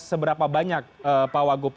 seberapa banyak pak wagup